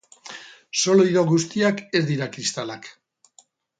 Solido guztiak ez dira kristalak.